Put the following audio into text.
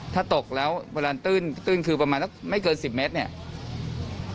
ถ้าตกแล้วเวลาตื้นตื้นคือประมาณสักไม่เกิน๑๐เมตรเนี่ย